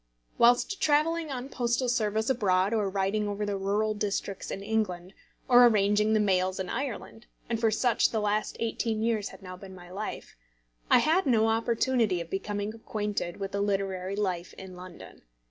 Whilst travelling on postal service abroad, or riding over the rural districts in England, or arranging the mails in Ireland, and such for the last eighteen years had now been my life, I had no opportunity of becoming acquainted with literary life in London.